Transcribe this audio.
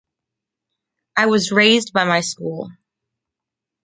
I was raised by my school.